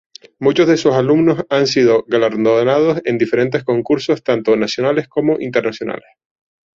Muchos de sus alumnos han sido galardonados en diferentes concursos tanto nacionales, como internacionales.